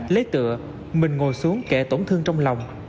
lấy tựa mình ngồi xuống kẻ tổn thương trong lòng